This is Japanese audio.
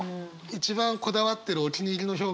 一番こだわってるお気に入りの表現とかあれば。